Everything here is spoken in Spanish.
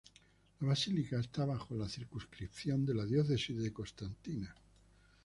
La basílica está bajo la circunscripción de la Diócesis de Constantina.